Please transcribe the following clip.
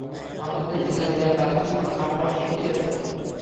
আমাদের ইতালিয়ান রাধুনিকে মা সব শিখিয়েছে।